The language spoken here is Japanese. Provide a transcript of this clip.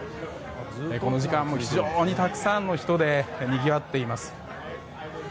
この時間も非常にたくさんの人でにぎわっています。